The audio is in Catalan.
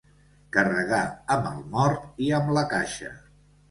Carregar amb el mort i amb la caixa.